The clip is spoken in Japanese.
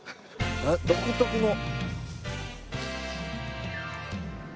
独特の。